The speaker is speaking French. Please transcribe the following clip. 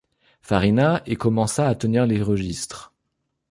Farina et commença à tenir les registres.